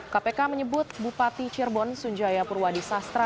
kpk menyebut bupati cirebon sunjaya purwadi sastra